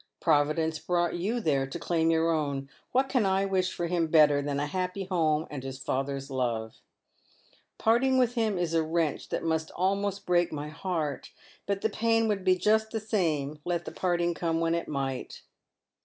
Providence brought you there to claim your own. What can I wish for him better than a happy home and his father's love ? Parting with him is a wrench that must almost break my heart, but the pain would be just the same let the parting come when it might.